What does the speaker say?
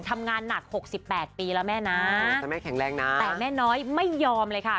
ตอนนี้แม่น้อยไม่ยอมเลยค่ะ